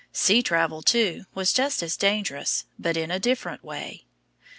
Sea travel, too, was just as dangerous, but in a different way.